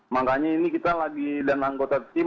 makanya ini kita lagi dan anggota tim